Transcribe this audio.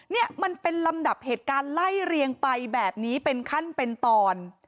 นี่มันเป็นลำดับเหตุการณ์ไล่เรียงไปแบบนี้เป็นขั้นเป็นตอน